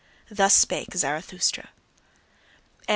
Thus spake Zarathustra. XXI.